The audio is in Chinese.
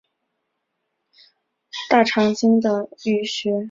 肘髎穴是属于手阳明大肠经的腧穴。